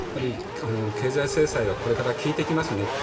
経済制裁はこれから効いてきますね。